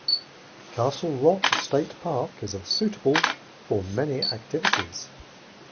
Castle Rock State Park is suitable for many activities.